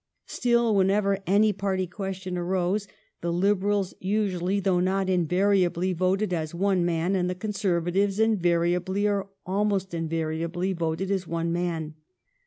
Still, when ever any party question arose the Liberals usu ally, although not invariably, voted as one man and the Conservatives invariably, or almost in variably, voted as one man.